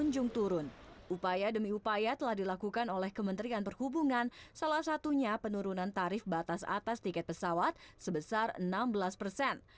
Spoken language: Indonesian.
salah satunya penurunan tarif batas atas tiket pesawat sebesar enam belas persen